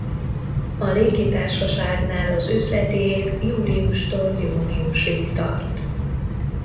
A légitársaságnál az üzleti év júliustól júniusig tart.